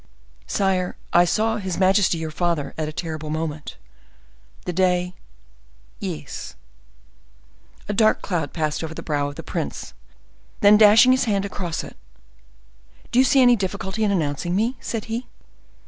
"Sire, I saw his majesty your father at a terrible moment." "The day—" "Yes." A dark cloud passed over the brow of the prince; then, dashing his hand across it, "Do you see any difficulty in announcing me?" said he.